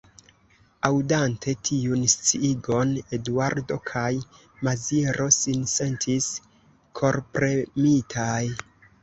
Aŭdante tiun sciigon, Eduardo kaj Maziero sin sentis korpremitaj.